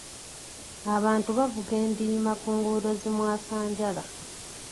Abantu bavuga endiima ku nguudo zi mwasanjala.